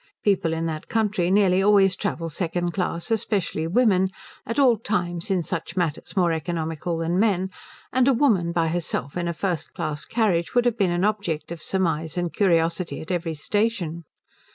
People in that country nearly always travel second class, especially women, at all times in such matters more economical than men; and a woman by herself in a first class carriage would have been an object of surmise and curiosity at every station.